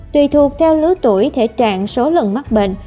tùy thuộc theo lứa tuổi thể trạng số lần mắc bệnh